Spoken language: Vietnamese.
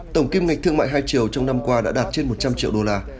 tổng kim ngạch thương mại hai triệu trong năm qua đã đạt trên một trăm linh triệu đô la